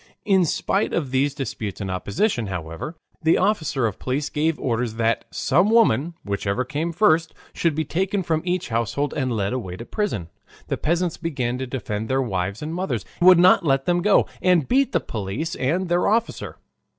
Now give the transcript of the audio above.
In spite of these disputes and opposition, however, the officer of police gave orders that some woman, whichever came first, should be taken from each household and led away to prison. The peasants began to defend their wives and mothers, would not let them go, and beat the police and their officer.